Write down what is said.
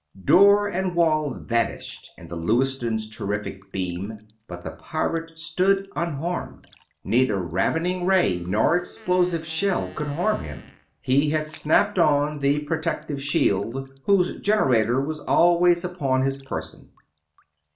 Door and wall vanished in the Lewiston's terrific beam, but the pirate stood unharmed. Neither ravening ray nor explosive shell could harm him he had snapped on the protective shield whose generator was always upon his person.